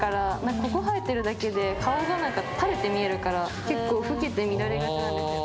ここ生えてるだけで顔が垂れて見えるから結構老けて見られがちなんですよ。